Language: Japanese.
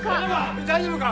大丈夫か？